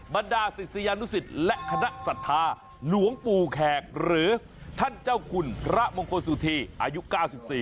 บรรดาศิษยานุสิตและคณะศรัทธาหลวงปู่แขกหรือท่านเจ้าคุณพระมงคลสุธีอายุ๙๔